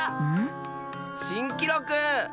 しんきろく！